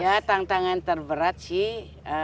ya tantangan terberat sih